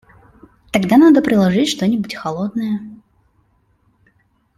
Тогда надо приложить что-нибудь холодное.